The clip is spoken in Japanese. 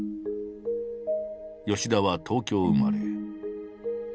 吉田は東京生まれ。